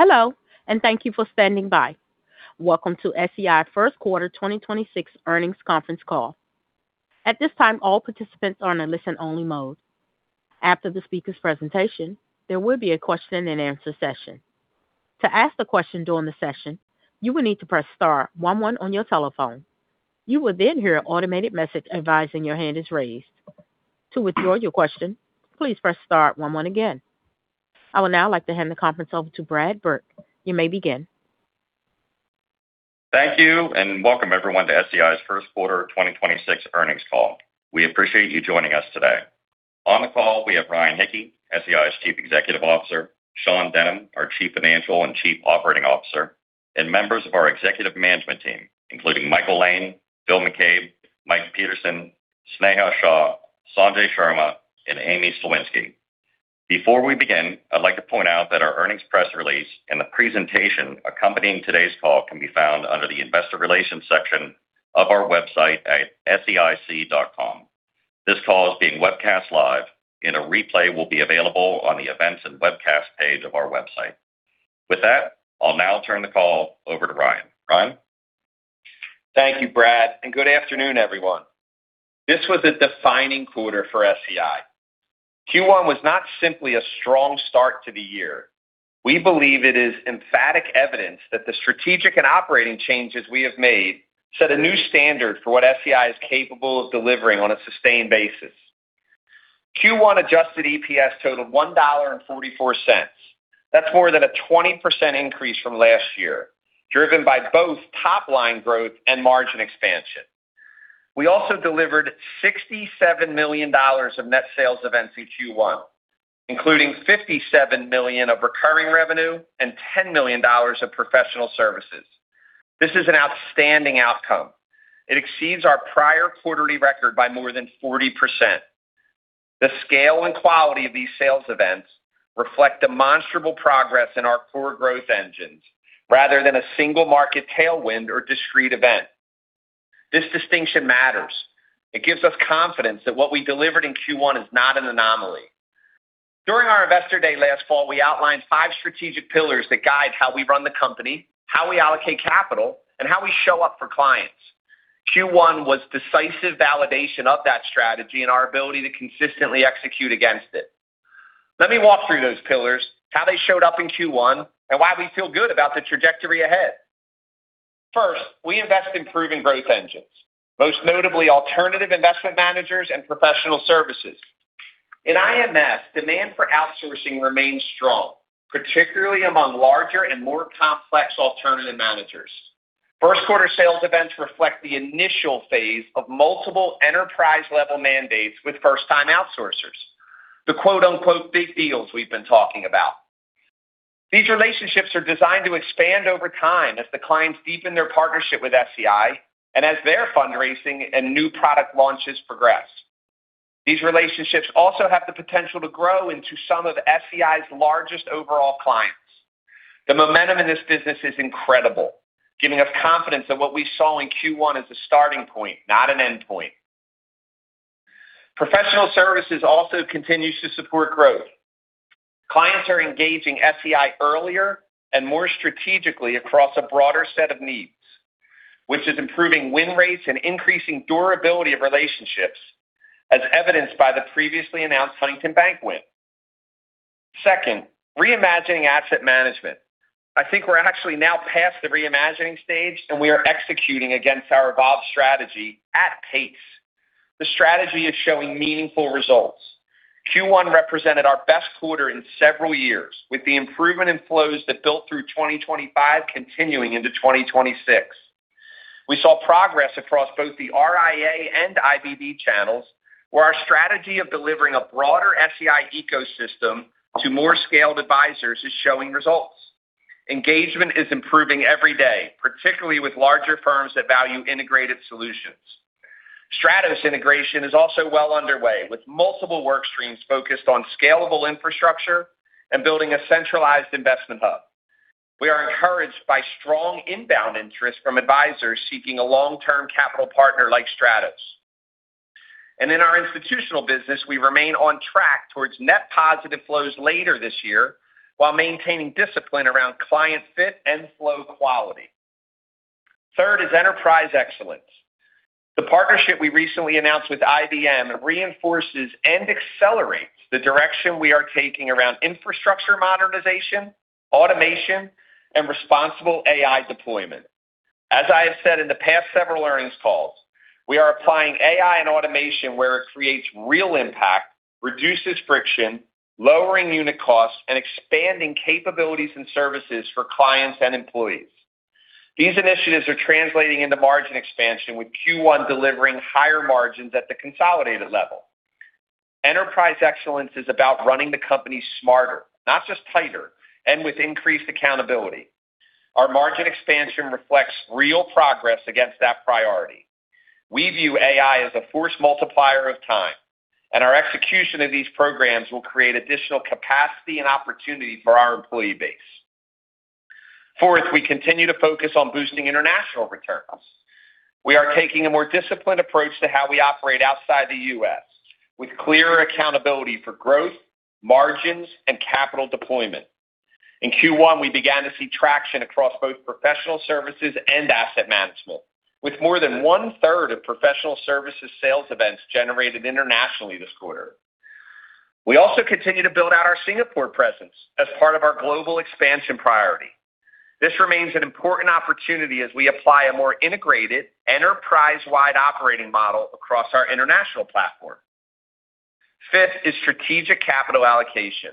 Hello, and thank you for standing by. Welcome to SEI First Quarter 2026 Earnings Conference Call. At this time, all participants are in a listen-only mode. After the speaker's presentation, there will be a question-and-answer session. To ask the question during the session, you will need to press star one one on your telephone. You will then hear an automated message advising your hand is raised. To withdraw your question, please press star one one again. I would now like to hand the conference over to Brad Burke. You may begin. Thank you, and welcome everyone to SEI's first quarter 2026 earnings call. We appreciate you joining us today. On the call, we have Ryan Hicke, SEI's Chief Executive Officer, Sean Denham, our Chief Financial and Chief Operating Officer, and members of our executive management team, including Michael Lane, Phil McCabe, Mike Peterson, Sneha Shah, Sanjay Sharma, and Amy Sliwinski. Before we begin, I'd like to point out that our earnings press release and the presentation accompanying today's call can be found under the Investor Relations section of our website at seic.com. This call is being webcast live, and a replay will be available on the events and webcast page of our website. With that, I'll now turn the call over to Ryan. Ryan? Thank you, Brad, and good afternoon, everyone. This was a defining quarter for SEI. Q1 was not simply a strong start to the year. We believe it is emphatic evidence that the strategic and operating changes we have made set a new standard for what SEI is capable of delivering on a sustained basis. Q1 adjusted EPS totaled $1.44. That's more than a 20% increase from last year, driven by both top-line growth and margin expansion. We also delivered $67 million of net sales events in Q1, including $57 million of recurring revenue and $10 million of professional services. This is an outstanding outcome. It exceeds our prior quarterly record by more than 40%. The scale and quality of these sales events reflect demonstrable progress in our core growth engines rather than a single market tailwind or discrete event. This distinction matters. It gives us confidence that what we delivered in Q1 is not an anomaly. During our Investor Day last fall, we outlined five strategic pillars that guide how we run the company, how we allocate capital, and how we show up for clients. Q1 was decisive validation of that strategy and our ability to consistently execute against it. Let me walk through those pillars, how they showed up in Q1, and why we feel good about the trajectory ahead. First, we invest in proven growth engines. Most notably alternative investment managers and professional services. In IMS, demand for outsourcing remains strong, particularly among larger and more complex alternative managers. First quarter sales events reflect the initial phase of multiple enterprise-level mandates with first-time outsourcers. The quote-unquote "big deals" we've been talking about. These relationships are designed to expand over time as the clients deepen their partnership with SEI and as their fundraising and new product launches progress. These relationships also have the potential to grow into some of SEI's largest overall clients. The momentum in this business is incredible, giving us confidence that what we saw in Q1 is a starting point, not an endpoint. Professional services also continues to support growth. Clients are engaging SEI earlier and more strategically across a broader set of needs, which is improving win rates and increasing durability of relationships, as evidenced by the previously announced Huntington Bank win. Second, reimagining asset management. I think we're actually now past the reimagining stage, and we are executing against our evolved strategy at pace. The strategy is showing meaningful results. Q1 represented our best quarter in several years, with the improvement in flows that built through 2025 continuing into 2026. We saw progress across both the RIA and IBD channels, where our strategy of delivering a broader SEI ecosystem to more scaled advisors is showing results. Engagement is improving every day, particularly with larger firms that value integrated solutions. Stratos integration is also well underway, with multiple work streams focused on scalable infrastructure and building a centralized investment hub. We are encouraged by strong inbound interest from advisors seeking a long-term capital partner like Stratos. In our institutional business, we remain on track towards net positive flows later this year, while maintaining discipline around client fit and flow quality. Third is enterprise excellence. The partnership we recently announced with IBM reinforces and accelerates the direction we are taking around infrastructure modernization, automation, and responsible AI deployment. As I have said in the past several earnings calls, we are applying AI and automation where it creates real impact, reduces friction, lowering unit costs, and expanding capabilities and services for clients and employees. These initiatives are translating into margin expansion, with Q1 delivering higher margins at the consolidated level. Enterprise excellence is about running the company smarter, not just tighter, and with increased accountability. Our margin expansion reflects real progress against that priority. We view AI as a force multiplier of time, and our execution of these programs will create additional capacity and opportunity for our employee base. Fourth, we continue to focus on boosting international returns. We are taking a more disciplined approach to how we operate outside the U.S., with clearer accountability for growth, margins, and capital deployment. In Q1, we began to see traction across both professional services and asset management. With more than 1/3 of professional services sales events generated internationally this quarter. We also continue to build out our Singapore presence as part of our global expansion priority. This remains an important opportunity as we apply a more integrated, enterprise-wide operating model across our international platform. Fifth is strategic capital allocation.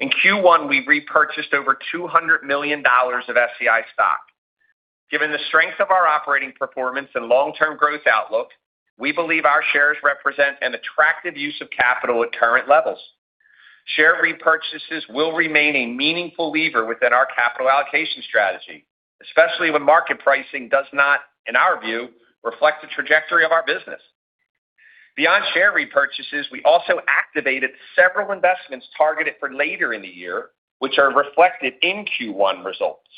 In Q1, we repurchased over $200 million of SEI stock. Given the strength of our operating performance and long-term growth outlook, we believe our shares represent an attractive use of capital at current levels. Share repurchases will remain a meaningful lever within our capital allocation strategy, especially when market pricing does not, in our view, reflect the trajectory of our business. Beyond share repurchases, we also activated several investments targeted for later in the year, which are reflected in Q1 results.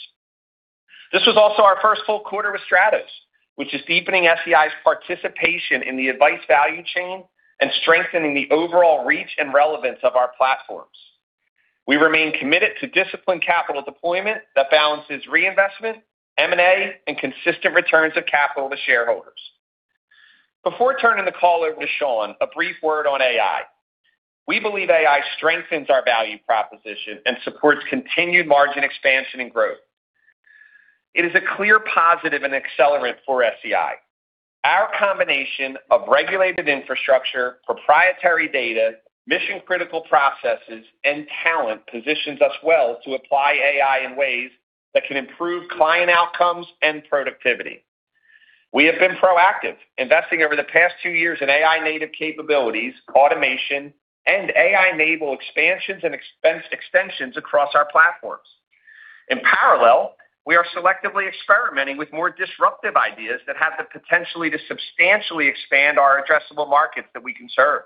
This was also our first full quarter with Stratos, which is deepening SEI's participation in the advice value chain and strengthening the overall reach and relevance of our platforms. We remain committed to disciplined capital deployment that balances reinvestment, M&A, and consistent returns of capital to shareholders. Before turning the call over to Sean, a brief word on AI. We believe AI strengthens our value proposition and supports continued margin expansion and growth. It is a clear positive and accelerant for SEI. Our combination of regulated infrastructure, proprietary data, mission-critical processes, and talent positions us well to apply AI in ways that can improve client outcomes and productivity. We have been proactive, investing over the past two years in AI-native capabilities, automation, and AI-enabled expansions and expense extensions across our platforms. In parallel, we are selectively experimenting with more disruptive ideas that have the potential to substantially expand our addressable markets that we can serve.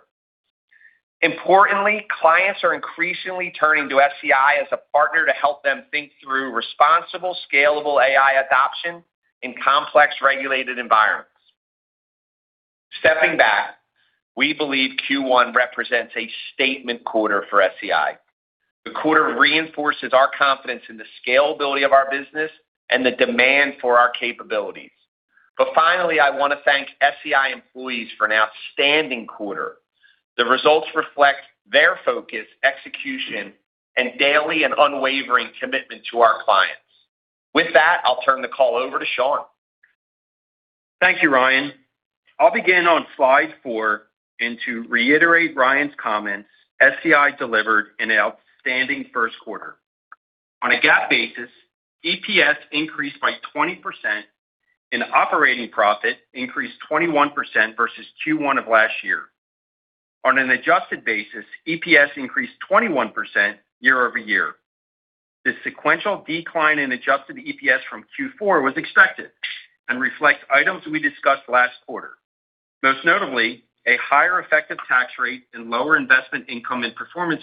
Importantly, clients are increasingly turning to SEI as a partner to help them think through responsible, scalable AI adoption in complex regulated environments. Stepping back, we believe Q1 represents a statement quarter for SEI. The quarter reinforces our confidence in the scalability of our business and the demand for our capabilities. Finally, I want to thank SEI employees for an outstanding quarter. The results reflect their focus, execution, and daily and unwavering commitment to our clients. With that, I'll turn the call over to Sean. Thank you, Ryan. I'll begin on slide four, and to reiterate Ryan's comments, SEI delivered an outstanding first quarter. On a GAAP basis, EPS increased by 20%, and operating profit increased 21% versus Q1 of last year. On an adjusted basis, EPS increased 21% year-over-year. The sequential decline in adjusted EPS from Q4 was expected and reflects items we discussed last quarter. Most notably, a higher effective tax rate and lower investment income and performance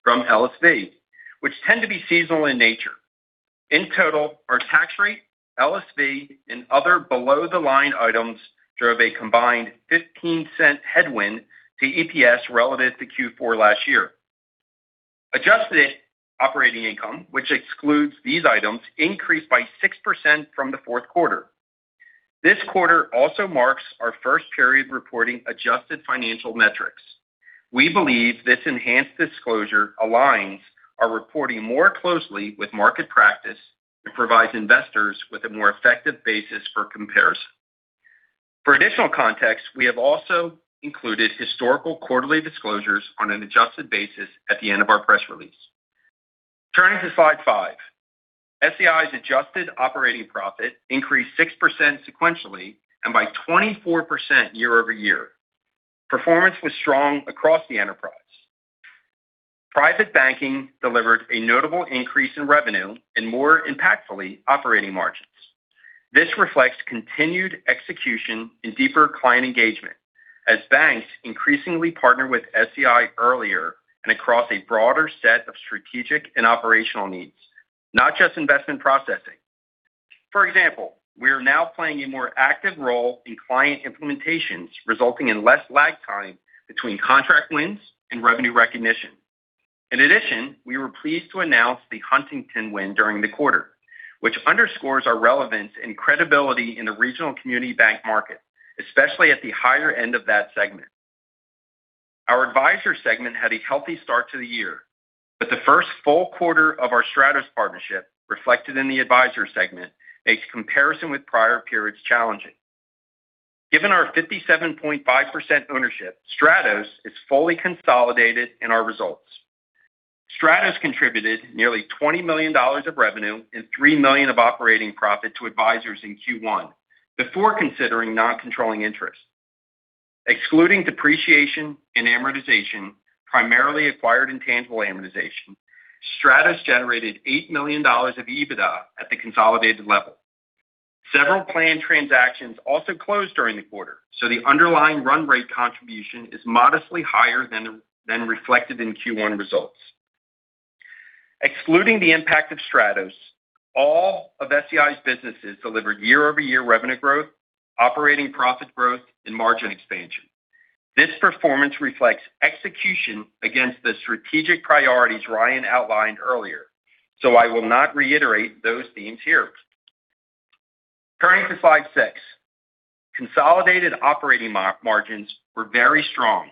fees from LSV, which tend to be seasonal in nature. In total, our tax rate, LSV, and other below-the-line items drove a combined $0.15 headwind to EPS relative to Q4 last year. Adjusted operating income, which excludes these items, increased by 6% from the fourth quarter. This quarter also marks our first period reporting adjusted financial metrics. We believe this enhanced disclosure aligns our reporting more closely with market practice and provides investors with a more effective basis for comparison. For additional context, we have also included historical quarterly disclosures on an adjusted basis at the end of our press release. Turning to slide five. SEI's adjusted operating profit increased 6% sequentially and by 24% year-over-year. Performance was strong across the enterprise. Private Banking delivered a notable increase in revenue and, more impactfully, operating margins. This reflects continued execution and deeper client engagement as banks increasingly partner with SEI earlier and across a broader set of strategic and operational needs, not just investment processing. For example, we are now playing a more active role in client implementations, resulting in less lag time between contract wins and revenue recognition. In addition, we were pleased to announce the Huntington win during the quarter, which underscores our relevance and credibility in the regional community bank market, especially at the higher end of that segment. Our Advisor segment had a healthy start to the year, but the first full quarter of our Stratos partnership, reflected in the Advisor segment, makes comparison with prior periods challenging. Given our 57.5% ownership, Stratos is fully consolidated in our results. Stratos contributed nearly $20 million of revenue and $3 million of operating profit to Advisors in Q1 before considering non-controlling interest. Excluding depreciation and amortization, primarily acquired intangible amortization, Stratos generated $8 million of EBITDA at the consolidated level. Several planned transactions also closed during the quarter, so the underlying run rate contribution is modestly higher than reflected in Q1 results. Excluding the impact of Stratos, all of SEI's businesses delivered year-over-year revenue growth, operating profit growth, and margin expansion. This performance reflects execution against the strategic priorities Ryan outlined earlier. I will not reiterate those themes here. Turning to slide six. Consolidated operating margins were very strong,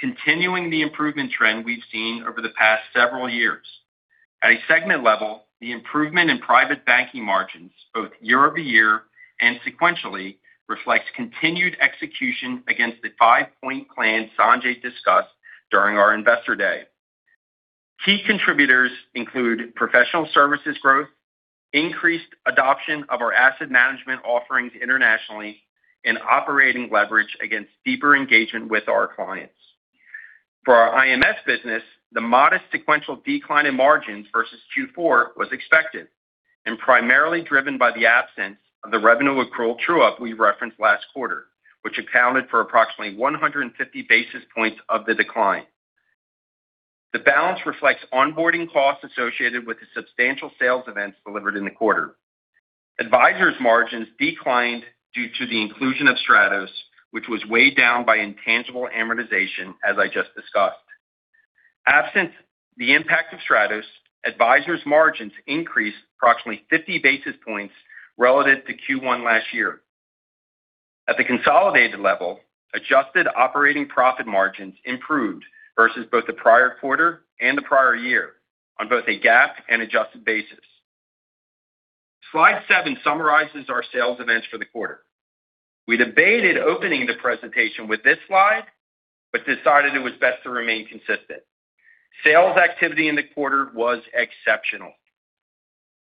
continuing the improvement trend we've seen over the past several years. At a segment level, the improvement in private banking margins, both year-over-year and sequentially, reflects continued execution against the five-point plan Sanjay discussed during our Investor Day. Key contributors include professional services growth, increased adoption of our asset management offerings internationally, and operating leverage against deeper engagement with our clients. For our IMS business, the modest sequential decline in margins versus Q4 was expected and primarily driven by the absence of the revenue accrual true-up we referenced last quarter, which accounted for approximately 150 basis points of the decline. The balance reflects onboarding costs associated with the substantial sales events delivered in the quarter. Advisors margins declined due to the inclusion of Stratos, which was weighed down by intangible amortization, as I just discussed. Absent the impact of Stratos, Advisors margins increased approximately 50 basis points relative to Q1 last year. At the consolidated level, adjusted operating profit margins improved versus both the prior quarter and the prior year on both a GAAP and adjusted basis. Slide 7 summarizes our sales events for the quarter. We debated opening the presentation with this slide but decided it was best to remain consistent. Sales activity in the quarter was exceptional.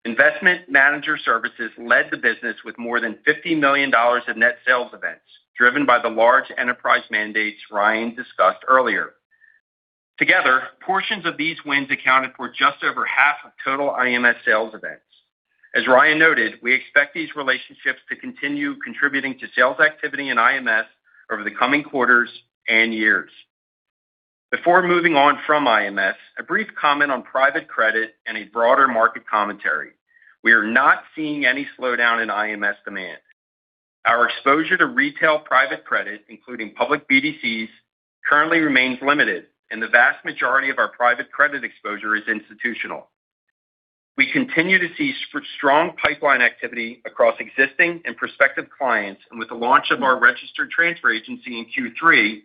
Investment Manager Services led the business with more than $50 million of net sales events, driven by the large enterprise mandates Ryan discussed earlier. Together, portions of these wins accounted for just over half of total IMS sales events. As Ryan noted, we expect these relationships to continue contributing to sales activity in IMS over the coming quarters and years. Before moving on from IMS, a brief comment on private credit and a broader market commentary. We are not seeing any slowdown in IMS demand. Our exposure to retail private credit, including public BDCs, currently remains limited, and the vast majority of our private credit exposure is institutional. We continue to see strong pipeline activity across existing and prospective clients, and with the launch of our registered transfer agency in Q3,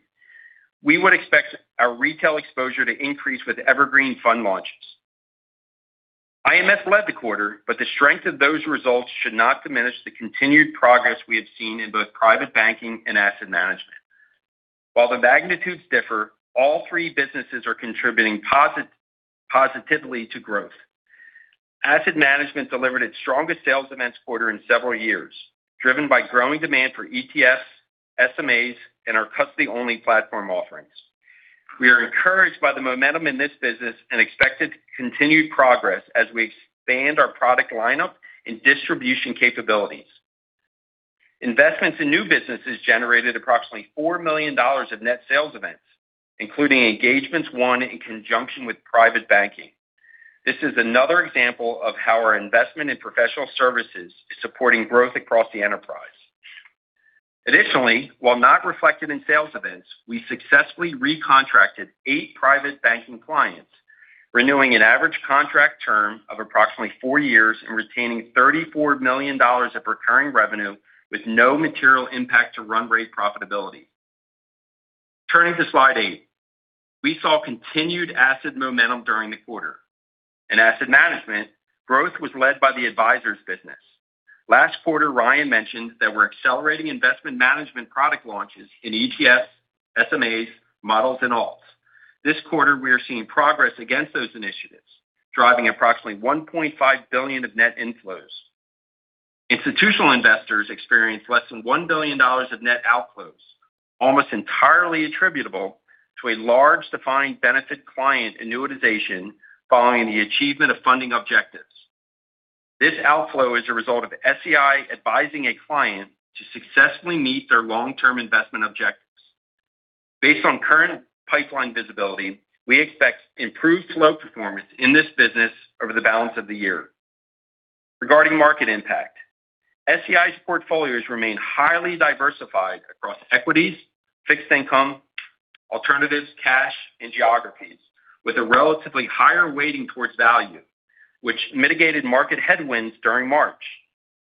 we would expect our retail exposure to increase with evergreen fund launches. IMS led the quarter, but the strength of those results should not diminish the continued progress we have seen in both private banking and asset management. While the magnitudes differ, all three businesses are contributing positively to growth. Asset Management delivered its strongest sales ever quarter in several years, driven by growing demand for ETFs, SMAs, and our custody-only platform offerings. We are encouraged by the momentum in this business and expect its continued progress as we expand our product lineup and distribution capabilities. Investments in new businesses generated approximately $4 million of net sales events, including engagements won in conjunction with private banking. This is another example of how our investment in professional services is supporting growth across the enterprise. Additionally, while not reflected in sales events, we successfully recontracted eight private banking clients, renewing an average contract term of approximately four years and retaining $34 million of recurring revenue with no material impact to run rate profitability. Turning to slide eight. We saw continued asset momentum during the quarter. In asset management, growth was led by the advisors business. Last quarter, Ryan mentioned that we're accelerating investment management product launches in ETFs, SMAs, models, and ALTs. This quarter, we are seeing progress against those initiatives, driving approximately $1.5 billion of net inflows. Institutional investors experienced less than $1 billion of net outflows, almost entirely attributable to a large defined benefit client annuitization following the achievement of funding objectives. This outflow is a result of SEI advising a client to successfully meet their long-term investment objectives. Based on current pipeline visibility, we expect improved flow performance in this business over the balance of the year. Regarding market impact, SEI's portfolios remain highly diversified across equities, fixed income, alternatives, cash, and geographies, with a relatively higher weighting towards value, which mitigated market headwinds during March.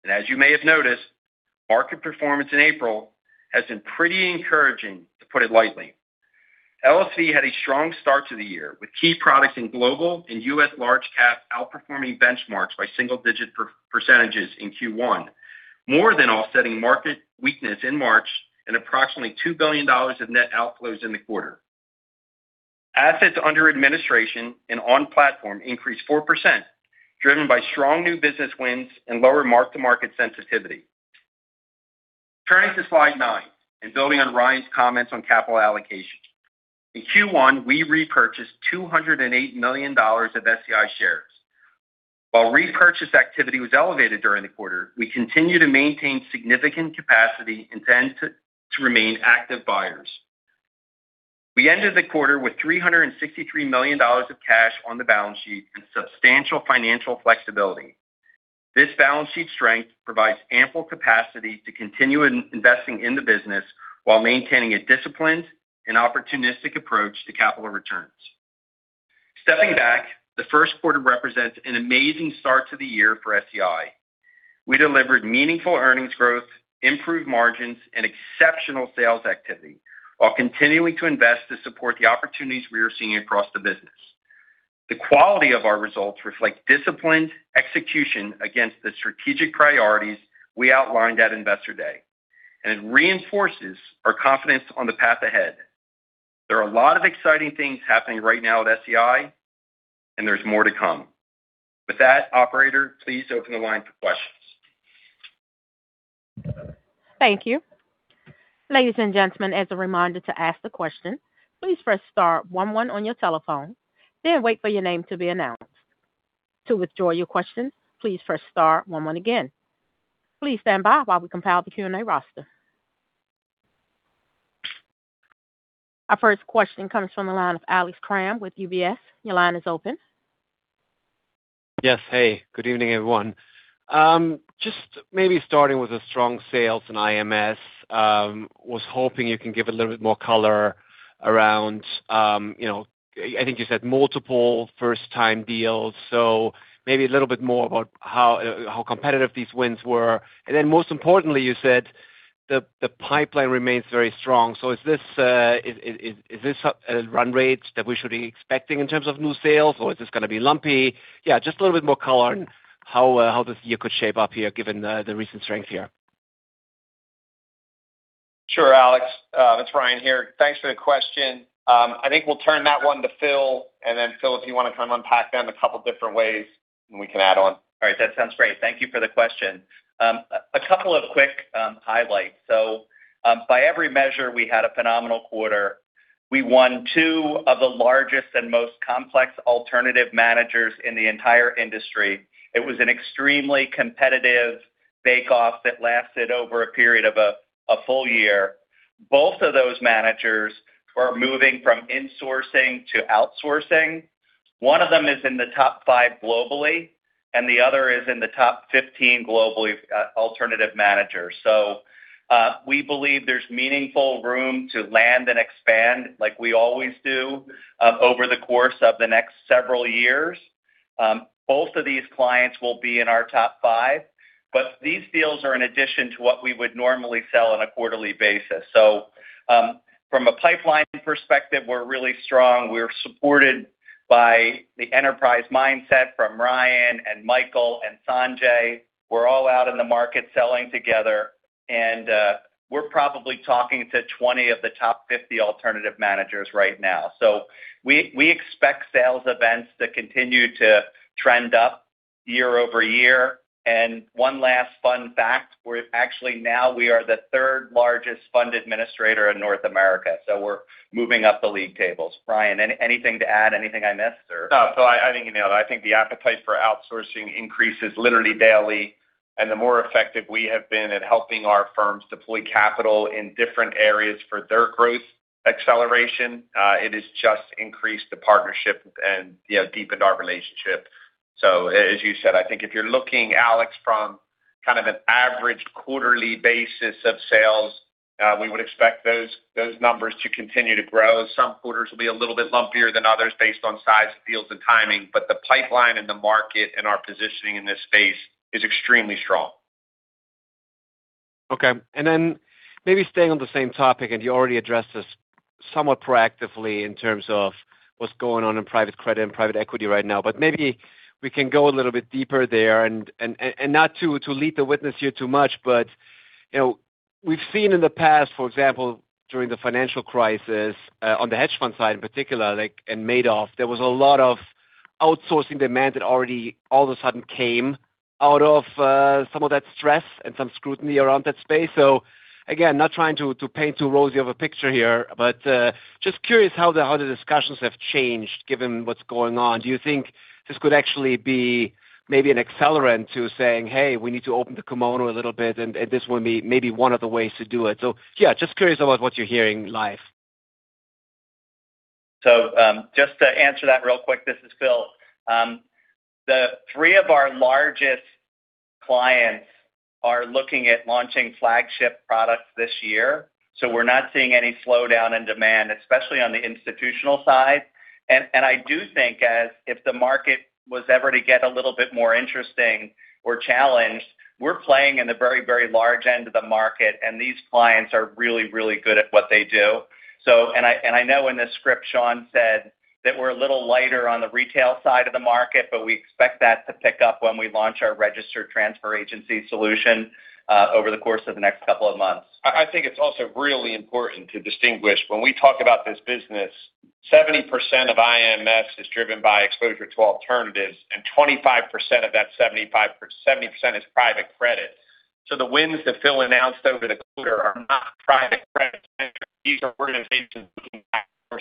As you may have noticed, market performance in April has been pretty encouraging, to put it lightly. LSV had a strong start to the year, with key products in global and US large cap outperforming benchmarks by single-digit percentages in Q1, more than offsetting market weakness in March and approximately $2 billion of net outflows in the quarter. Assets under administration and on platform increased 4%, driven by strong new business wins and lower mark-to-market sensitivity. Turning to slide 9 and building on Ryan's comments on capital allocation. In Q1, we repurchased $208 million of SEI shares. While repurchase activity was elevated during the quarter, we continue to maintain significant capacity and intend to remain active buyers. We ended the quarter with $363 million of cash on the balance sheet and substantial financial flexibility. This balance sheet strength provides ample capacity to continue investing in the business while maintaining a disciplined and opportunistic approach to capital returns. Stepping back, the first quarter represents an amazing start to the year for SEI. We delivered meaningful earnings growth, improved margins, and exceptional sales activity, while continuing to invest to support the opportunities we are seeing across the business. The quality of our results reflect disciplined execution against the strategic priorities we outlined at Investor Day, and it reinforces our confidence on the path ahead. There are a lot of exciting things happening right now at SEI, and there's more to come. With that, operator, please open the line for questions. Thank you. Ladies and gentlemen, as a reminder to ask the question, please press star one one on your telephone, then wait for your name to be announced. To withdraw your question, please press star one one again. Please stand by while we compile the Q&A roster. Our first question comes from the line of Alex Kramm with UBS. Your line is open. Yes. Hey, good evening, everyone. Just maybe starting with the strong sales in IMS. Was hoping you can give a little bit more color around, I think you said multiple first-time deals, so maybe a little bit more about how competitive these wins were. Most importantly, you said the pipeline remains very strong. Is this a run rate that we should be expecting in terms of new sales, or is this going to be lumpy? Yeah, just a little bit more color on how this year could shape up here given the recent strength here. Sure, Alex. It's Ryan here. Thanks for the question. I think we'll turn that one to Phil. Phil, if you want to kind of unpack them a couple different ways, and we can add on. All right. That sounds great. Thank you for the question. A couple of quick highlights. By every measure, we had a phenomenal quarter. We won two of the largest and most complex alternative managers in the entire industry. It was an extremely competitive bake-off that lasted over a period of a full year. Both of those managers are moving from insourcing to outsourcing. One of them is in the top five globally, and the other is in the top 15 globally alternative managers. We believe there's meaningful room to land and expand like we always do over the course of the next several years. Both of these clients will be in our top five, but these deals are in addition to what we would normally sell on a quarterly basis. From a pipeline perspective, we're really strong. We're supported by the enterprise mindset from Ryan and Michael and Sanjay. We're all out in the market selling together, and we're probably talking to 20 of the top 50 alternative managers right now. We expect sales events to continue to trend up year-over-year. One last fun fact, we're actually now the third largest fund administrator in North America, so we're moving up the league tables. Ryan, anything to add? Anything I missed? No. I think you nailed it. I think the appetite for outsourcing increases literally daily. The more effective we have been at helping our firms deploy capital in different areas for their growth acceleration, it has just increased the partnership and deepened our relationship. As you said, I think if you're looking, Alex, from kind of an average quarterly basis of sales, we would expect those numbers to continue to grow. Some quarters will be a little bit lumpier than others based on size of deals and timing, but the pipeline and the market and our positioning in this space is extremely strong. Okay. Maybe staying on the same topic, you already addressed this somewhat proactively in terms of what's going on in private credit and private equity right now. Maybe we can go a little bit deeper there and not to lead the witness here too much, but we've seen in the past, for example, during the financial crisis, on the hedge fund side in particular, like in Madoff, there was a lot of outsourcing demand that already all of a sudden came out of some of that stress and some scrutiny around that space. Again, not trying to paint too rosy of a picture here, but just curious how the discussions have changed given what's going on. Do you think this could actually be maybe an accelerant to saying, "Hey, we need to open the kimono a little bit," and this will be maybe one of the ways to do it? Yeah, just curious about what you're hearing live. Just to answer that real quick, this is Phil. Three of our largest clients are looking at launching flagship products this year, so we're not seeing any slowdown in demand, especially on the institutional side. I do think as if the market was ever to get a little bit more interesting or challenged, we're playing in the very, very large end of the market, and these clients are really, really good at what they do. I know in the script, Sean said that we're a little lighter on the retail side of the market, but we expect that to pick up when we launch our registered transfer agency solution over the course of the next couple of months. I think it's also really important to distinguish when we talk about this business, 70% of IMS is driven by exposure to alternatives, and 25% of that 70% is private credit. The wins that Phil announced over the quarter are not private credit. We're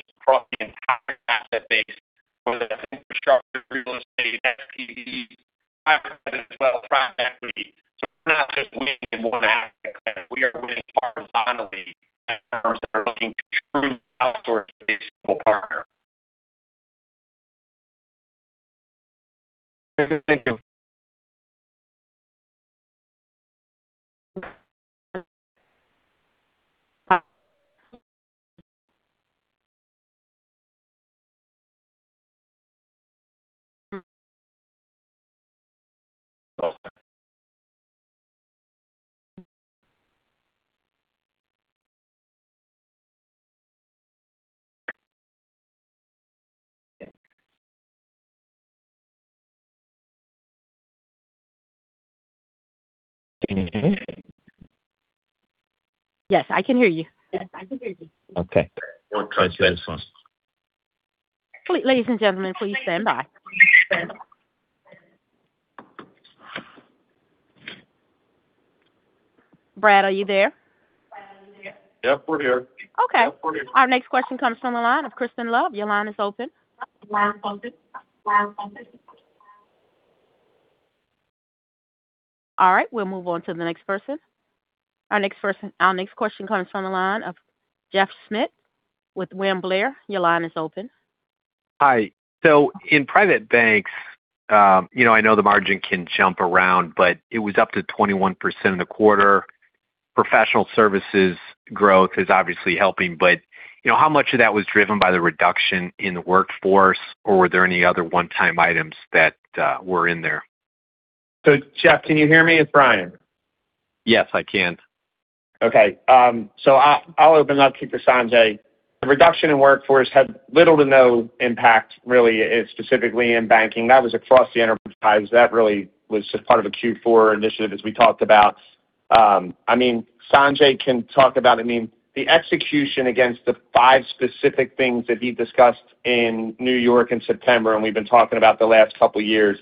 not just winning in one aspect. We are winning horizontally as firms that are looking to truly outsource a partner. Yes, I can hear you. Okay. I'll try this one. Ladies and gentlemen, please stand by. Brad, are you there? Yep, we're here. Okay. Our next question comes from the line of Crispin Love. Your line is open. All right, we'll move on to the next person. Our next question comes from the line of Jeff Schmitt with William Blair. Your line is open. Hi. In Private Banks, I know the margin can jump around, but it was up to 21% in the quarter. Professional services growth is obviously helping, but how much of that was driven by the reduction in the workforce, or were there any other one-time items that were in there? Jeff, can you hear me? It's Ryan. Yes, I can. Okay. I'll open up, keep Sanjay. The reduction in workforce had little to no impact, really, specifically in banking. That was across the enterprise. That really was just part of a Q4 initiative as we talked about. Sanjay can talk about the execution against the five specific things that he discussed in New York in September, and we've been talking about the last couple of years.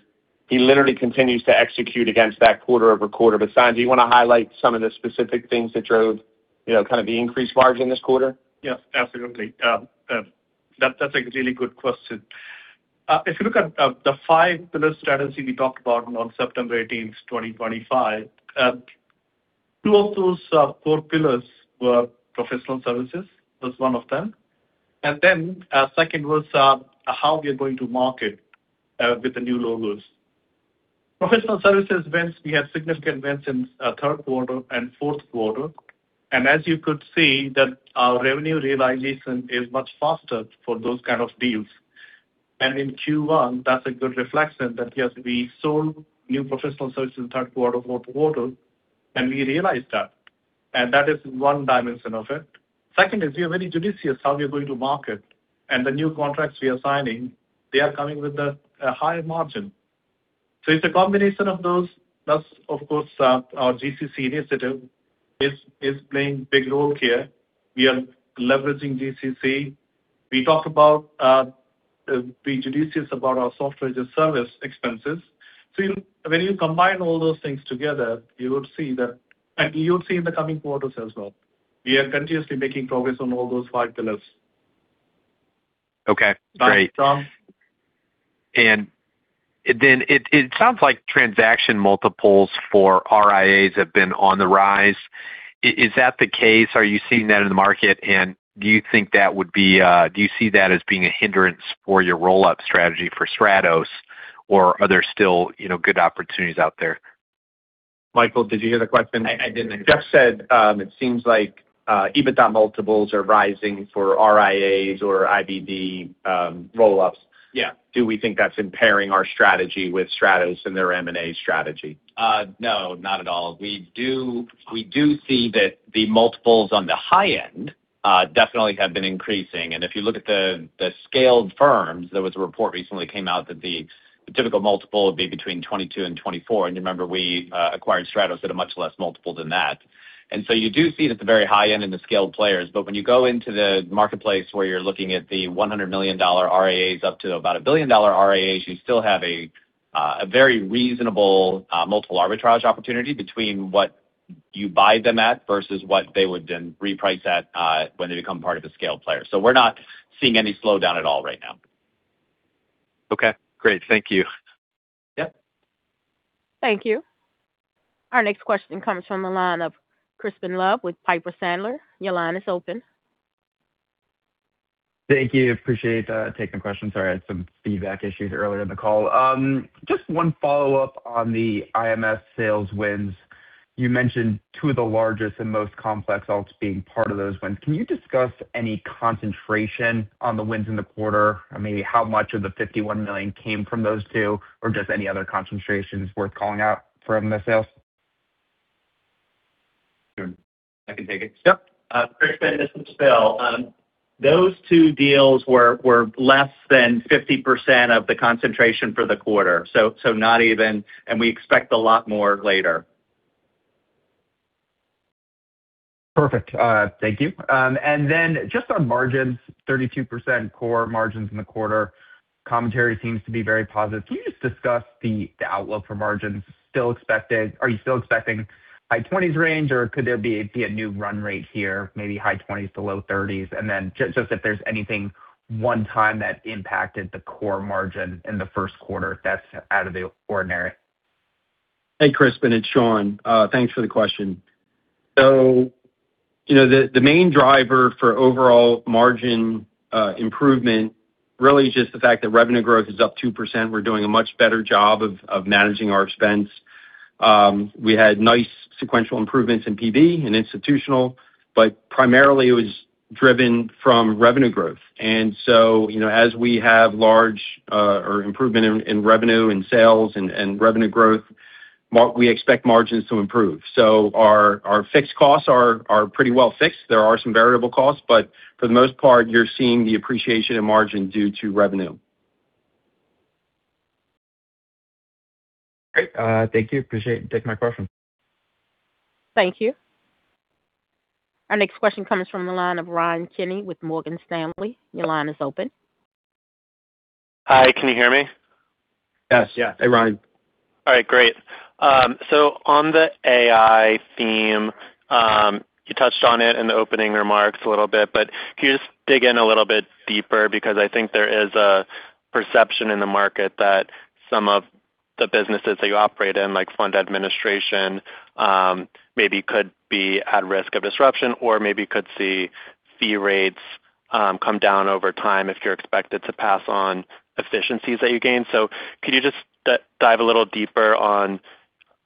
He literally continues to execute against that quarter-over-quarter. But San, do you want to highlight some of the specific things that drove kind of the increased margin this quarter? Yes, absolutely. That's a really good question. If you look at the five pillar strategy we talked about on September 18th, 2025, two of those four pillars were professional services, was one of them. Then our second was how we are going to market with the new logos. Professional services wins, we had significant wins in third quarter and fourth quarter. As you could see that our revenue realization is much faster for those kind of deals. In Q1, that's a good reflection that, yes, we sold new professional services third quarter, fourth quarter, and we realized that. That is one dimension of it. Second is we are very judicious how we are going to market and the new contracts we are signing, they are coming with a higher margin. It's a combination of those. Thus, of course, our GCC initiative is playing big role here. We are leveraging GCC. We talked about being judicious about our software as a service expenses. When you combine all those things together, you would see that, and you'll see in the coming quarters as well. We are continuously making progress on all those five pillars. Okay, great. Thats all. It sounds like transaction multiples for RIAs have been on the rise. Is that the case? Are you seeing that in the market? Do you see that as being a hindrance for your roll-up strategy for Stratos? Are there still good opportunities out there? Michael, did you hear the question? I didn't. Jeff said it seems like EBITDA multiples are rising for RIAs or IBD roll-ups. Yeah. Do we think that's impairing our strategy with Stratos and their M&A strategy? No, not at all. We do see that the multiples on the high end definitely have been increasing. If you look at the scaled firms, there was a report recently came out that the typical multiple would be between 22 and 24. Remember, we acquired Stratos at a much less multiple than that. You do see it at the very high end in the scaled players. When you go into the marketplace where you're looking at the $100 million RIAs up to about a $1 billion RIAs, you still have a very reasonable multiple arbitrage opportunity between what you buy them at versus what they would then reprice at when they become part of a scaled player. We're not seeing any slowdown at all right now. Okay, great. Thank you. Yep. Thank you. Our next question comes from the line of Crispin Love with Piper Sandler. Your line is open. Thank you. I appreciate taking the question. Sorry, I had some feedback issues earlier in the call. Just one follow-up on the IMS sales wins. You mentioned two of the largest and most complex outs being part of those wins. Can you discuss any concentration on the wins in the quarter? Maybe how much of the $51 million came from those two? Or just any other concentrations worth calling out from the sales? Sure, I can take it. Yep. Crispin, this is Phil. Those two deals were less than 50% of the concentration for the quarter. Not even, and we expect a lot more later. Perfect. Thank you. Just on margins, 32% core margins in the quarter. Commentary seems to be very positive. Can you just discuss the outlook for margins still expected? Are you still expecting high 20s range or could there be a new run rate here, maybe high 20s to low 30s? Just if there's anything one-time that impacted the core margin in the first quarter that's out of the ordinary? Hey, Crispin, it's Sean. Thanks for the question. The main driver for overall margin improvement really is just the fact that revenue growth is up 2%. We're doing a much better job of managing our expense. We had nice sequential improvements in PB and institutional, but primarily it was driven from revenue growth. As we have larger improvement in revenue and sales and revenue growth, we expect margins to improve. Our fixed costs are pretty well fixed. There are some variable costs, but for the most part, you're seeing the appreciation in margin due to revenue. Great. Thank you. Appreciate you taking my question. Thank you. Our next question comes from the line of Ryan Kenney with Morgan Stanley. Your line is open. Hi, can you hear me? Yes. Yeah. Hey, Ryan. All right, great. On the AI theme, you touched on it in the opening remarks a little bit, but can you just dig in a little bit deeper because I think there is a perception in the market that some of the businesses that you operate in, like fund administration, maybe could be at risk of disruption or maybe could see fee rates come down over time if you're expected to pass on efficiencies that you gain. Could you just dive a little deeper on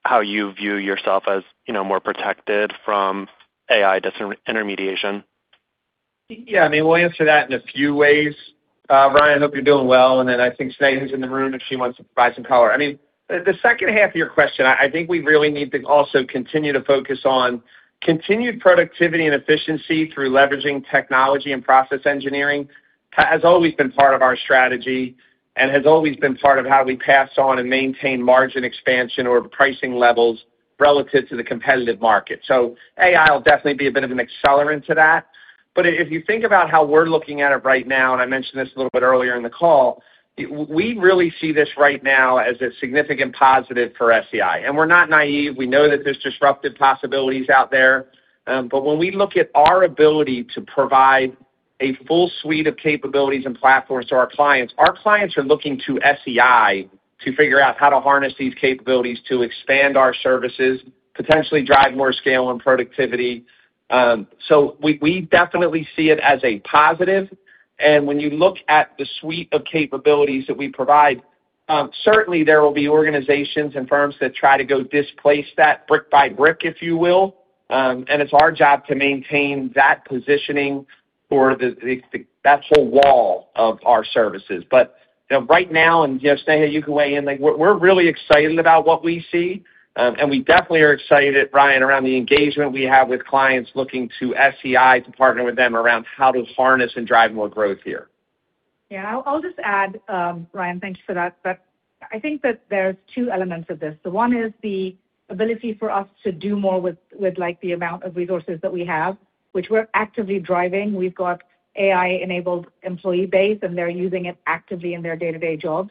how you view yourself as more protected from AI intermediation? Yeah, we'll answer that in a few ways. Ryan, I hope you're doing well. Then I think Sneha's in the room if she wants to provide some color. The second half of your question, I think we really need to also continue to focus on continued productivity and efficiency through leveraging technology and process engineering has always been part of our strategy and has always been part of how we pass on and maintain margin expansion or pricing levels relative to the competitive market. AI will definitely be a bit of an accelerant to that. If you think about how we're looking at it right now, and I mentioned this a little bit earlier in the call, we really see this right now as a significant positive for SEI. We're not naive. We know that there's disruptive possibilities out there. When we look at our ability to provide a full suite of capabilities and platforms to our clients, our clients are looking to SEI to figure out how to harness these capabilities to expand our services, potentially drive more scale and productivity. We definitely see it as a positive. When you look at the suite of capabilities that we provide, certainly there will be organizations and firms that try to go displace that brick by brick, if you will, and it's our job to maintain that positioning for that whole wall of our services. Right now, and Sneha you can weigh in, we're really excited about what we see. We definitely are excited, Ryan, around the engagement we have with clients looking to SEI to partner with them around how to harness and drive more growth here. Yeah, I'll just add, Ryan, thank you for that, but I think that there's two elements of this. One is the ability for us to do more with the amount of resources that we have, which we're actively driving. We've got AI-enabled employee base, and they're using it actively in their day-to-day jobs.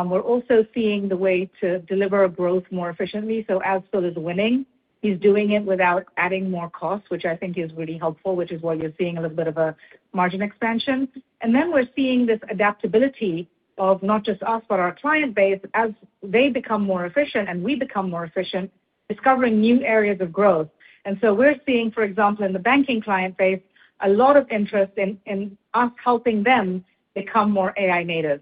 We're also seeing the way to deliver growth more efficiently. As Phil is winning, he's doing it without adding more costs, which I think is really helpful, which is why you're seeing a little bit of a margin expansion. We're seeing this adaptability of not just us, but our client base as they become more efficient, and we become more efficient, discovering new areas of growth. We're seeing, for example, in the banking client base, a lot of interest in us helping them become more AI native.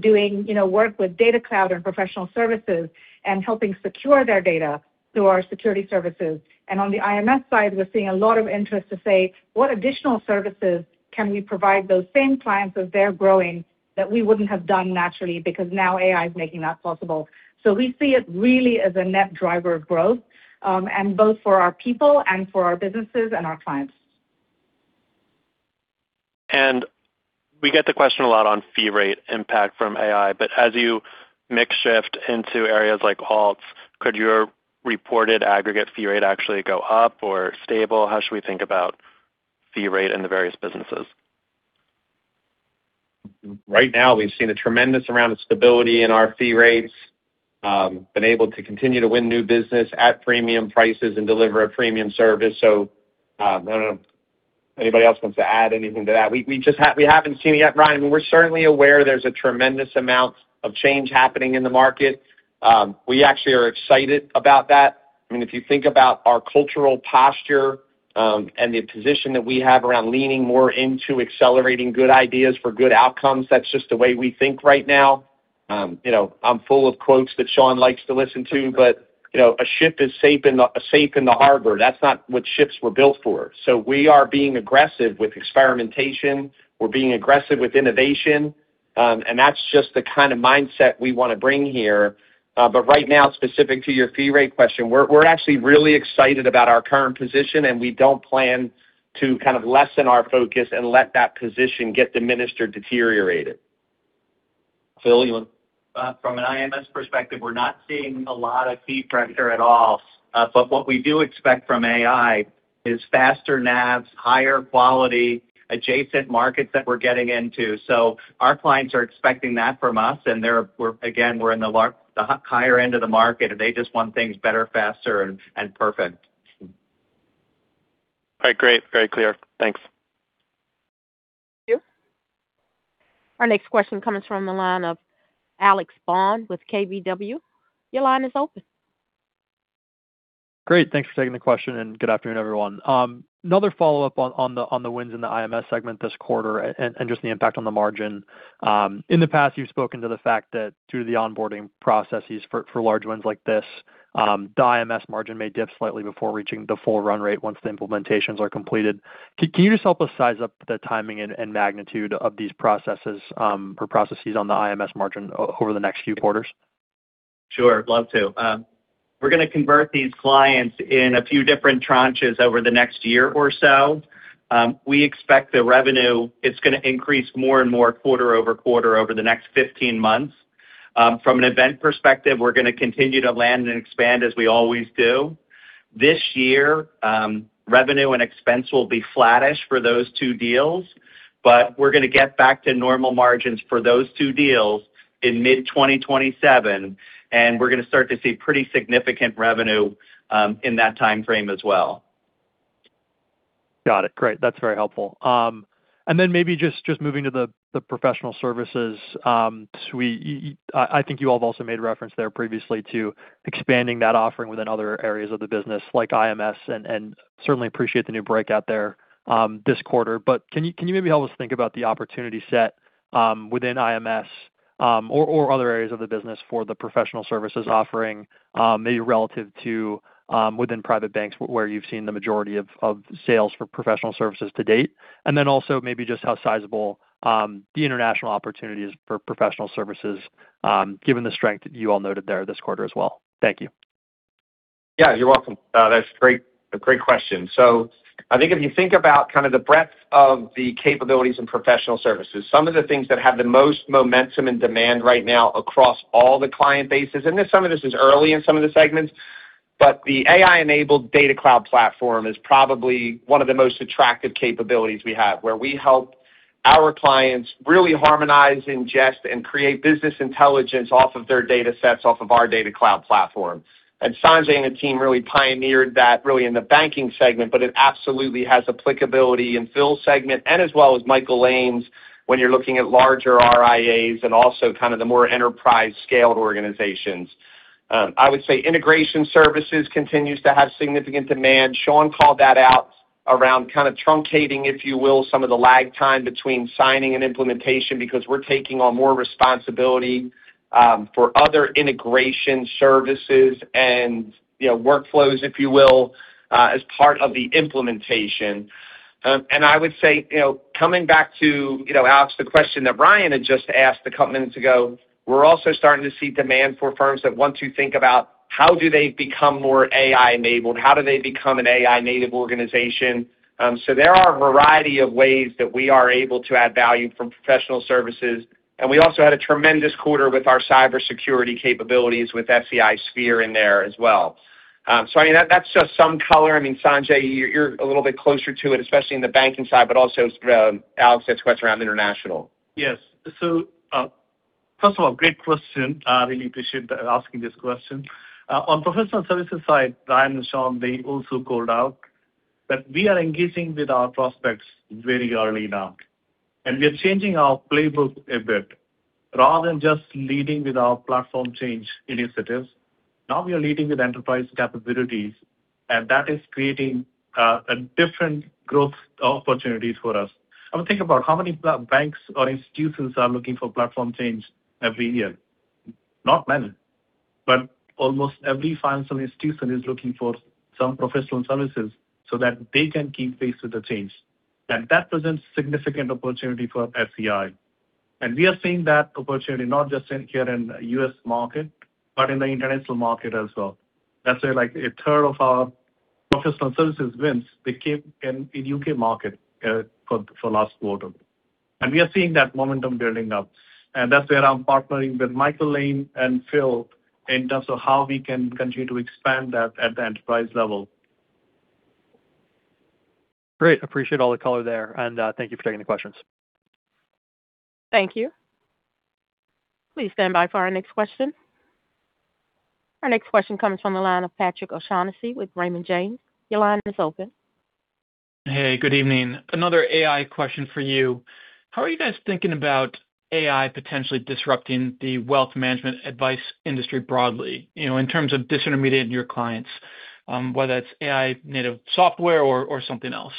Doing work with Data Cloud and professional services and helping secure their data through our security services. On the IMS side, we're seeing a lot of interest to say, what additional services can we provide those same clients as they're growing that we wouldn't have done naturally because now AI is making that possible. We see it really as a net driver of growth, and both for our people and for our businesses and our clients. We get the question a lot on fee rate impact from AI. As your mix shifts into areas like ALTs, could your reported aggregate fee rate actually go up or stable? How should we think about fee rate in the various businesses? Right now, we've seen a tremendous amount of stability in our fee rates and been able to continue to win new business at premium prices and deliver a premium service. I don't know if anybody else wants to add anything to that. We haven't seen it yet, Ryan. We're certainly aware there's a tremendous amount of change happening in the market. We actually are excited about that. If you think about our cultural posture, and the position that we have around leaning more into accelerating good ideas for good outcomes, that's just the way we think right now. I'm full of quotes that Sean likes to listen to, but a ship is safe in the harbor. That's not what ships were built for. We are being aggressive with experimentation. We're being aggressive with innovation. And that's just the kind of mindset we want to bring here. Right now, specific to your fee rate question, we're actually really excited about our current position, and we don't plan to lessen our focus and let that position get diminished or deteriorated. Phil, you want- From an IMS perspective, we're not seeing a lot of fee pressure at all. What we do expect from AI is faster NAVs, higher quality adjacent markets that we're getting into. Our clients are expecting that from us, and again, we're in the higher end of the market, and they just want things better, faster, and perfect. All right, great. Very clear. Thanks. Thank you. Our next question comes from the line of Alex Bond with KBW. Your line is open. Great. Thanks for taking the question, and good afternoon, everyone. Another follow-up on the wins in the IMS segment this quarter and just the impact on the margin. In the past, you've spoken to the fact that through the onboarding processes for large wins like this, the IMS margin may dip slightly before reaching the full run rate once the implementations are completed. Can you just help us size up the timing and magnitude of these processes on the IMS margin over the next few quarters? Sure. Love to. We're going to convert these clients in a few different tranches over the next year or so. We expect the revenue is going to increase more and more quarter-over-quarter over the next 15 months. From an event perspective, we're going to continue to land and expand as we always do. This year, revenue and expense will be flattish for those two deals, but we're going to get back to normal margins for those two deals in mid-2027, and we're going to start to see pretty significant revenue in that timeframe as well. Got it. Great. That's very helpful. Maybe just moving to the professional services suite, I think you all have also made reference there previously to expanding that offering within other areas of the business, like IMS, and certainly appreciate the new breakout there this quarter. Can you maybe help us think about the opportunity set within IMS or other areas of the business for the professional services offering maybe relative to within private banks where you've seen the majority of sales for professional services to date? Also maybe just how sizable the international opportunity is for professional services given the strength that you all noted there this quarter as well. Thank you. Yeah, you're welcome. That's a great question. I think if you think about kind of the breadth of the capabilities in professional services, some of the things that have the most momentum and demand right now across all the client bases, and some of this is early in some of the segments, but the AI-enabled Data Cloud platform is probably one of the most attractive capabilities we have, where we help our clients really harmonize, ingest, and create business intelligence off of their datasets off of our Data Cloud platform. Sanjay and the team really pioneered that really in the banking segment, but it absolutely has applicability in Phil's segment and as well as Michael Lane's when you're looking at larger RIAs and also kind of the more enterprise-scaled organizations. I would say integration services continues to have significant demand. Sean called that out around kind of truncating, if you will, some of the lag time between signing and implementation because we're taking on more responsibility for other integration services and workflows, if you will, as part of the implementation. I would say, coming back to Alex, the question that Ryan had just asked a couple minutes ago, we're also starting to see demand for firms that want to think about how do they become more AI-enabled, how do they become an AI-native organization. There are a variety of ways that we are able to add value from professional services, and we also had a tremendous quarter with our cybersecurity capabilities with SEI Sphere in there as well. I mean, that's just some color. I mean, Sanjay, you're a little bit closer to it, especially in the banking side, but also Alex's question around International. Yes. First of all, great question. I really appreciate asking this question. On professional services side, Ryan and Sean, they also called out that we are engaging with our prospects very early now, and we are changing our playbook a bit. Rather than just leading with our platform change initiatives, now we are leading with enterprise capabilities, and that is creating different growth opportunities for us. I mean, think about how many banks or institutions are looking for platform change every year. Not many, but almost every financial institution is looking for some professional services so that they can keep pace with the change. That presents significant opportunity for SEI. We are seeing that opportunity not just in here in U.S. market, but in the international market as well. Let's say a third of our professional services wins, they came in U.K. market for last quarter. We are seeing that momentum building up, and that's where I'm partnering with Michael Lane and Phil in terms of how we can continue to expand that at the enterprise level. Great. I appreciate all the color there, and thank you for taking the questions. Thank you. Please stand by for our next question. Our next question comes from the line of Patrick O'Shaughnessy with Raymond James. Your line is open. Hey, good evening. Another AI question for you. How are you guys thinking about AI potentially disrupting the wealth management advice industry broadly, in terms of disintermediating your clients, whether that's AI-native software or something else?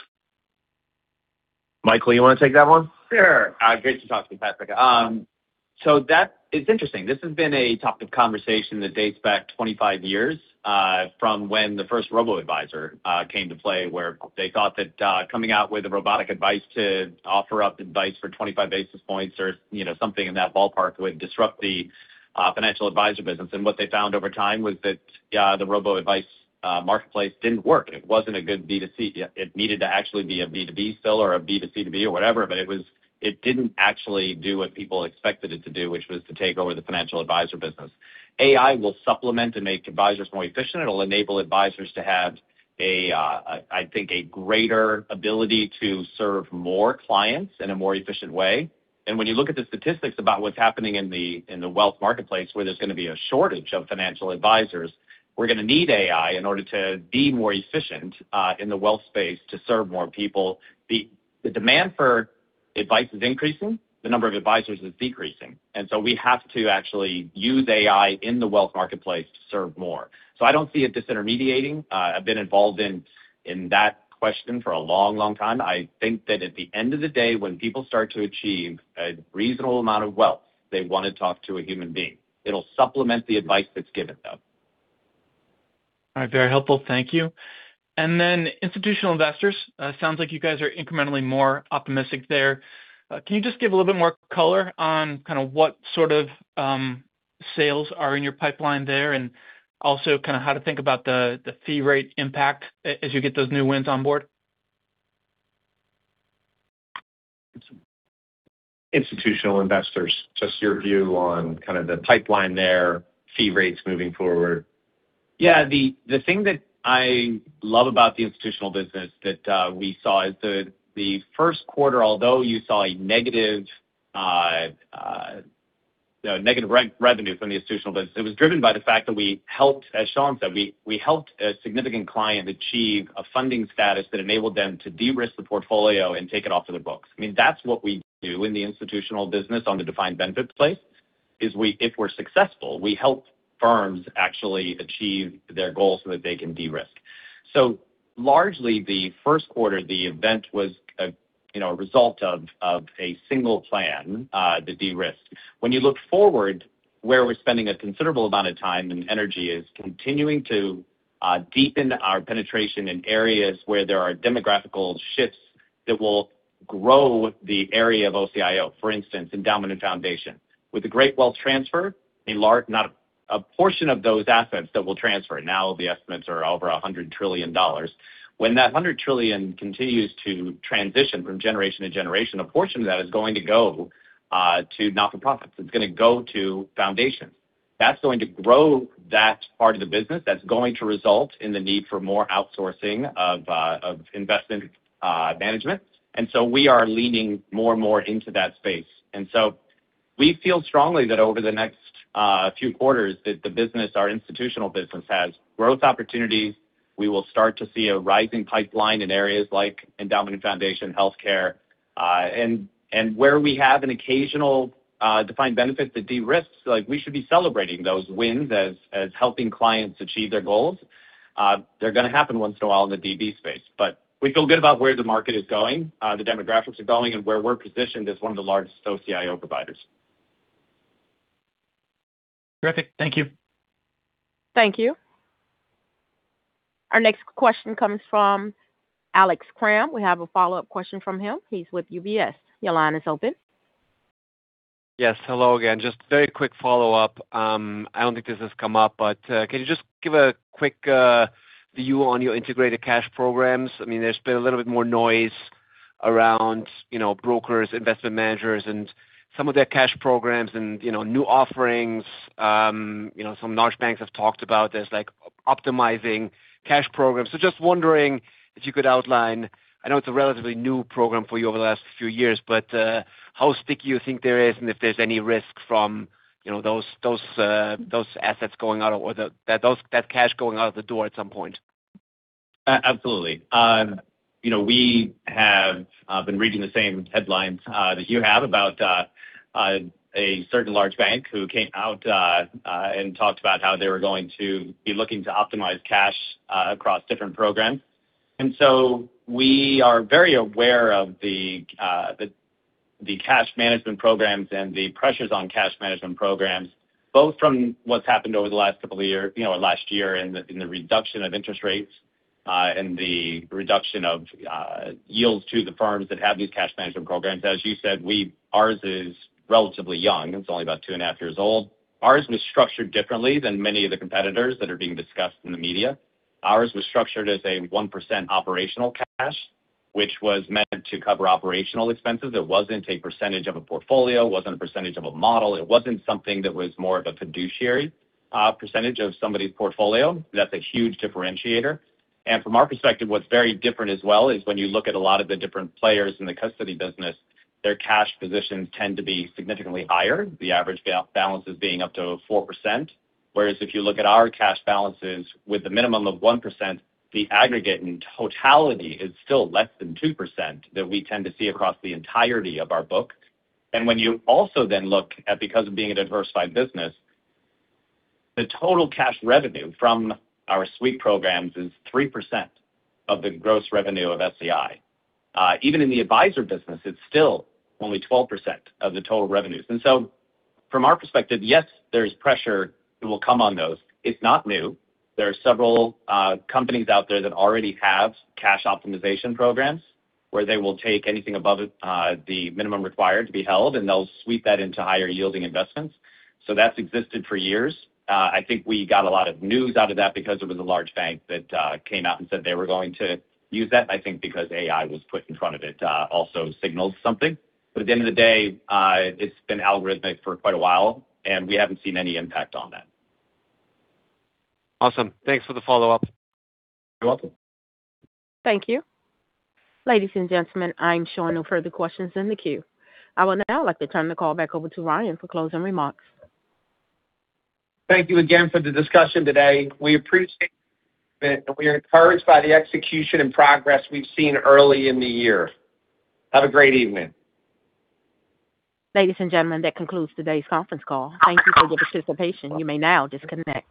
Michael, you want to take that one? Sure. Great to talk to you, Patrick. That is interesting. This has been a topic of conversation that dates back 25 years from when the first robo-advisor came to play, where they thought that coming out with a robotic advice to offer up advice for 25 basis points or something in that ballpark would disrupt the financial advisor business. What they found over time was that the robo-advice marketplace didn't work. It wasn't a good B2C. It needed to actually be a B2B sell or a B2C2B or whatever, but it didn't actually do what people expected it to do, which was to take over the financial advisor business. AI will supplement and make advisors more efficient. It'll enable advisors to have, I think, a greater ability to serve more clients in a more efficient way. When you look at the statistics about what's happening in the wealth marketplace, where there's going to be a shortage of financial advisors, we're going to need AI in order to be more efficient in the wealth space to serve more people. The demand for advice is increasing, the number of advisors is decreasing, and so we have to actually use AI in the wealth marketplace to serve more. I don't see it disintermediating. I've been involved in that question for a long, long time. I think that at the end of the day, when people start to achieve a reasonable amount of wealth, they want to talk to a human being. It'll supplement the advice that's given, though. All right. Very helpful. Thank you. Institutional investors. Sounds like you guys are incrementally more optimistic there. Can you just give a little bit more color on what sort of sales are in your pipeline there? How to think about the fee rate impact as you get those new wins on board. Institutional investors, just your view on the pipeline there, fee rates moving forward. Yeah, the thing that I love about the institutional business that we saw is the first quarter, although you saw a negative revenue from the institutional business, it was driven by the fact that we helped, as Sean said, a significant client achieve a funding status that enabled them to de-risk the portfolio and take it off of their books. That's what we do in the institutional business on the defined benefit space, is if we're successful, we help firms actually achieve their goals so that they can de-risk. Largely, the first quarter, the event was a result of a single plan, the de-risk. When you look forward, where we're spending a considerable amount of time and energy is continuing to deepen our penetration in areas where there are demographical shifts that will grow the area of OCIO. For instance, endowment and foundation. With the great wealth transfer, a portion of those assets that will transfer, now the estimates are over $100 trillion. When that $100 trillion continues to transition from generation to generation, a portion of that is going to go to not-for-profits. It's going to go to foundations. That's going to grow that part of the business. That's going to result in the need for more outsourcing of investment management, and so we are leaning more and more into that space. We feel strongly that over the next few quarters, that the business, our institutional business, has growth opportunities. We will start to see a rising pipeline in areas like endowment and foundation, healthcare. Where we have an occasional defined benefit that de-risks, we should be celebrating those wins as helping clients achieve their goals. They're going to happen once in a while in the DB space. We feel good about where the market is going, the demographics are going, and where we're positioned as one of the largest OCIO providers. Terrific. Thank you. Thank you. Our next question comes from Alex Kramm. We have a follow-up question from him. He's with UBS. Your line is open. Yes, hello again. Just very quick follow-up. I don't think this has come up, but can you just give a quick view on your integrated cash programs? There's been a little bit more noise around brokers, investment managers, and some of their cash programs and new offerings. Some large banks have talked about this, like optimizing cash programs. Just wondering if you could outline, I know it's a relatively new program for you over the last few years, but how sticky you think it is and if there's any risk from those assets going out or that cash going out the door at some point? Absolutely. We have been reading the same headlines that you have about a certain large bank who came out and talked about how they were going to be looking to optimize cash across different programs. We are very aware of the cash management programs and the pressures on cash management programs, both from what's happened over the last couple of years, last year, and the reduction of interest rates, and the reduction of yields to the firms that have these cash management programs. As you said, ours is relatively young. It's only about 2.5 years old. Ours was structured differently than many of the competitors that are being discussed in the media. Ours was structured as a 1% operational cash, which was meant to cover operational expenses. It wasn't a percentage of a portfolio, it wasn't a percentage of a model, it wasn't something that was more of a fiduciary percentage of somebody's portfolio. That's a huge differentiator. From our perspective, what's very different as well is when you look at a lot of the different players in the custody business, their cash positions tend to be significantly higher. The average balances being up to 4%. Whereas if you look at our cash balances with a minimum of 1%, the aggregate in totality is still less than 2% that we tend to see across the entirety of our book. When you also then look at, because of being a diversified business, the total cash revenue from our suite programs is 3% of the gross revenue of SEI. Even in the advisor business, it's still only 12% of the total revenues. From our perspective, yes, there is pressure that will come on those. It's not new. There are several companies out there that already have cash optimization programs where they will take anything above the minimum required to be held, and they'll sweep that into higher yielding investments. That's existed for years. I think we got a lot of news out of that because there was a large bank that came out and said they were going to use that, I think because AI was put in front of it also signaled something. At the end of the day, it's been algorithmic for quite a while, and we haven't seen any impact on that. Awesome. Thanks for the follow-up. You're welcome. Thank you. Ladies and gentlemen, I'm showing no further questions in the queue. I would now like to turn the call back over to Ryan for closing remarks. Thank you again for the discussion today. We appreciate it, and we are encouraged by the execution and progress we've seen early in the year. Have a great evening. Ladies and gentlemen, that concludes today's conference call. Thank you for your participation. You may now disconnect.